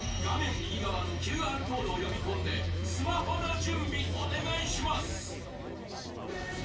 右端のＱＲコードを読み込んでスマホの準備、お願いします！